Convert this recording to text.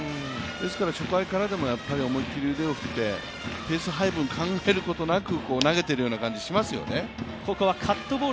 ですから初回からでも思い切り腕を振って、ペース配分考えることなく投げている感じがしますね。